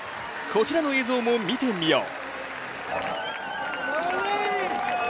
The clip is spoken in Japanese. こちらの映像も見てみよう。